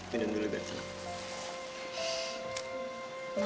biar dulu biar senang